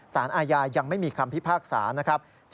สารอาญายังไม่มีคำพิพากษานะครับ